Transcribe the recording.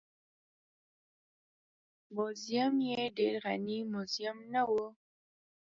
موزیم یې ډېر غني موزیم نه و.